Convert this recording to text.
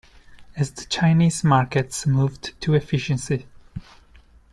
As the Chinese markets moved to efficiency.